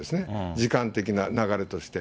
時間的な流れとして。